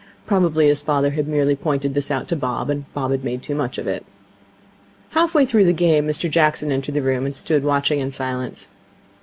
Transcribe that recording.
Probably his father had merely pointed this out to Bob, and Bob had made too much of it. Half way through the game Mr Jackson entered the room, and stood watching in silence.